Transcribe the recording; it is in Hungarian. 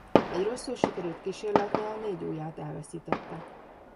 Egy rosszul sikerült kísérletnél négy ujját elveszítette.